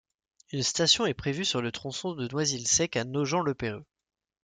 Une station est prévue sur le tronçon de Noisy-le-Sec à Nogent - Le Perreux.